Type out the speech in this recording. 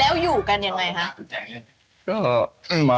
แล้วอยู่กันยังไงคะ